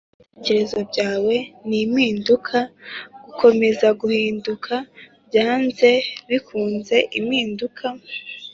“ibitekerezo byawe ni impinduka, gukomeza guhinduka, byanze bikunze impinduka”